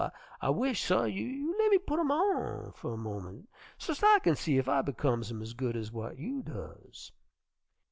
I wish, suh, you lemme putt 'em on fer a minnit, so's't I kin see ef I becomes 'em ez good ez w'at you does.'